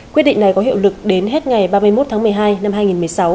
quyết định này có hiệu lực đến hết ngày ba mươi một tháng một mươi hai năm hai nghìn một mươi sáu